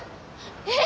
えっ。